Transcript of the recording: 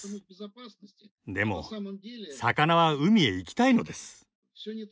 でも魚は海へ行きたいのです。